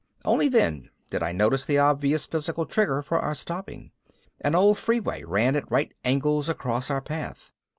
Only then did I notice the obvious physical trigger for our stopping. An old freeway ran at right angles across our path.